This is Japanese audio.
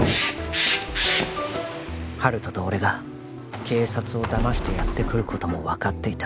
温人と俺が警察をだましてやってくることも分かっていた